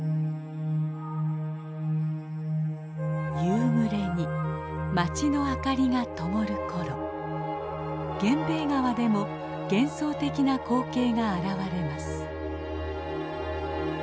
夕暮れに街の明かりがともる頃源兵衛川でも幻想的な光景が現れます。